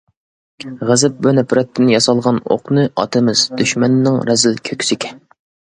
غەزەپ ۋە نەپرەتتىن ياسالغان ئوقنى ئاتىمىز دۈشمەننىڭ رەزىل كۆكسىگە.